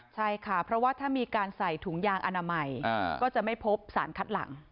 ใช่ค่ะเพราะว่าถ้ามีการใส่ถุงยางอนามัยก็จะไม่พบสารคัดหลัง